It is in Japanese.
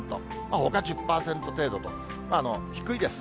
ほか１０％程度と、低いです。